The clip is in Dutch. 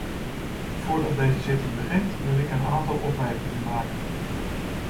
Voordat deze zitting begint, wil ik een aantal opmerkingen maken.